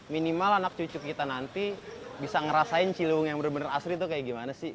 minimal anak cucu kita nanti bisa ngerasain ciliwung yang bener bener asri tuh kayak gimana sih